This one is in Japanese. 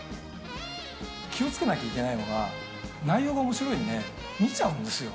気をつけないといけないのが、内容がおもしろいので見ちゃうんですよ。